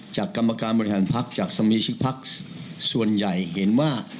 จากกรรมการบนการพรรณพรรคจากสมีชิกพรรคส่วนใหญ่เห็นว่า